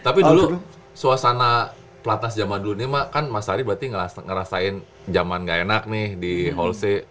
tapi dulu suasana platnas zaman dulu ini kan mas ari berarti ngerasain zaman gak enak nih di holsey